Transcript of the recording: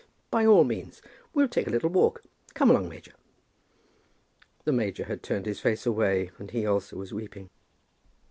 "By all means. We'll take a little walk. Come along, major." The major had turned his face away, and he also was weeping.